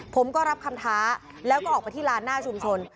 ผมก็รับคำท้าแล้วก็ออกไปที่ลานหน้าชุมชน